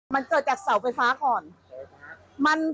มันเกิดจากเสาไฟฟ้าก่อน